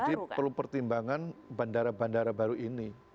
jadi perlu pertimbangan bandara bandara baru ini